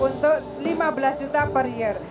untuk lima belas juta per year